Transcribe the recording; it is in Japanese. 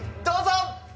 どうぞ！